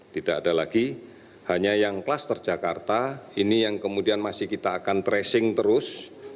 tidak ada lagi hanya yang klaster jakarta ini yang kemudian masih kita akan tracing terus